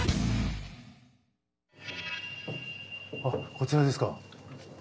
こちらですか。